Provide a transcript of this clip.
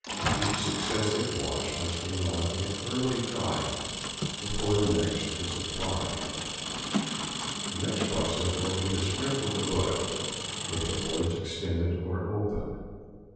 Each successive wash must be allowed to get thoroughly dry before the next be applied. The next process will be to sprinkle the book, with the boards extended or open.